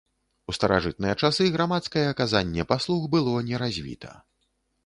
У старажытныя часы грамадскае аказанне паслуг было не развіта.